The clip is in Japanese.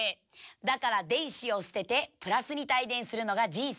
だから電子を捨てて＋に帯電するのが人生の喜び。